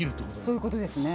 そういうことですね。